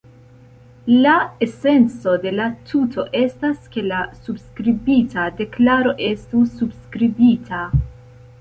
La esenco de la tuto estas, ke la subskribita deklaro estu subskribita.